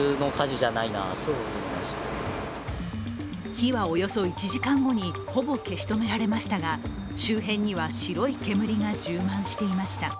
火はおよそ１時間後にほぼ消し止められましたが周辺には白い煙が充満していました。